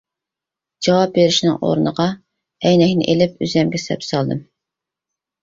جاۋاب بېرىشنىڭ ئورنىغا ئەينەكنى ئېلىپ ئۆزۈمگە سەپ سالدىم.